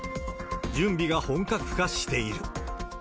準備が本格化している。